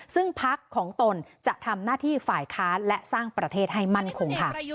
ซึ่งพักของตนจะทำหน้าที่ฝ่ายค้านและสร้างประเทศให้มั่นคงค่ะ